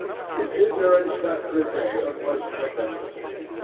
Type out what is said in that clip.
The ignorance that prevailed, was lamentable.